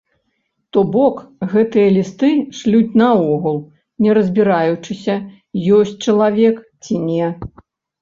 То бок гэтыя лісты шлюць наогул не разбіраючыся, ёсць чалавек ці не.